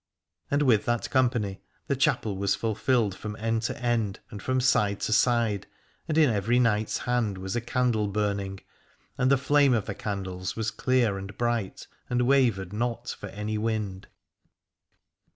And with that company the chapel was fulfilled from end to end and from side to side, and in every knight's hand was a candle burning ; and the flame of the candles was clear and bright, and wavered not for any wind.